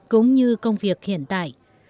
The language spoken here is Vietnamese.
cũng như công việc hiện tại